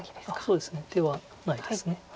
そうですね手はないです。